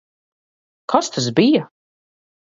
Kas tas bija?